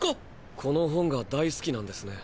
この本が大好きなんですね